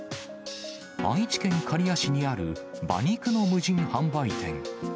愛知県刈谷市にある馬肉の無人販売店。